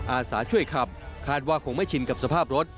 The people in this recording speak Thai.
อาสาช่วยขับคาดว่าคงไม่ชินกับสภาพรถ